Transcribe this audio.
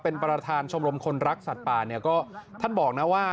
เป็นประธานชมรมคนรักสัตว์ป่าเนี่ยก็ท่านบอกนะว่า